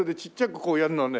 こうやるのをね